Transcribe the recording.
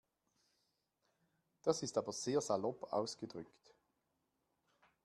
Das ist aber sehr salopp ausgedrückt.